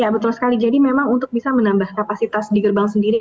ya betul sekali jadi memang untuk bisa menambah kapasitas di gerbang sendiri